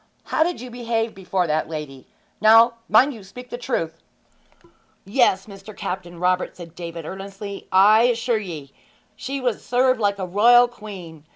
How did you behave before that lady? Now, mind you speak the truth!' 'Yes, Mr. Captain Robert,' said David earnestly. 'I assure ye she was served like a royal queen.